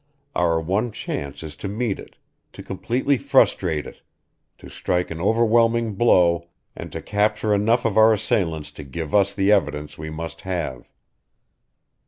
Our one chance is to meet it, to completely frustrate it to strike an overwhelming blow, and to capture enough of our assailants to give us the evidence we must have."